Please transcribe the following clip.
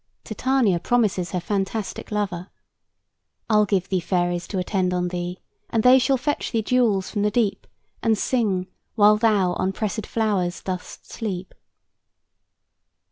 Titania promises her fantastic lover, "I'll give thee fairies to attend on thee, And they shall fetch thee jewels from the deep, And sing, while thou on pressèd flowers dost sleep."